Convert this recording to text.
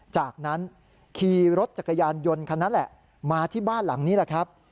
จากนั้นขี่รถจักรยานยนต์คันนั้นแหละมาที่บ้านหลังนี้แหละครับ